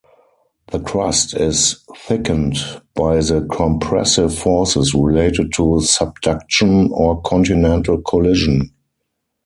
The crust is thickened by the compressive forces related to subduction or continental collision.